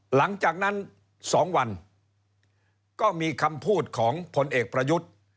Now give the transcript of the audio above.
หลังจากนั้น๒วันก็มีคำพูดของผลเอกประยุทธ์